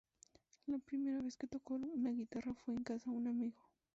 La primera vez que tocó una guitarra, fue en casa un amigo.